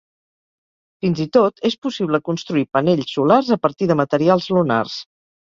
Fins i tot, és possible construir panells solars a partir de materials lunars.